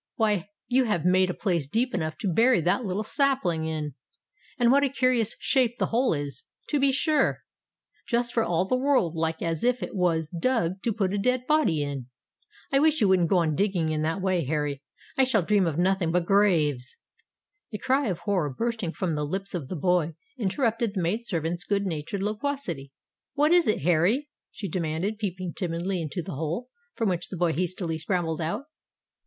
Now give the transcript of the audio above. "Why, you have made a place deep enough to bury that little sapling in! And what a curious shape the hole is, to be sure! Just for all the world like as if it was dug to put a dead body in! I wish you wouldn't go on digging in that way, Harry—I shall dream of nothing but graves——" A cry of horror, bursting from the lips of the boy, interrupted the maid servant's good natured loquacity. "What is it, Harry?" she demanded, peeping timidly into the hole, from which the boy hastily scrambled out.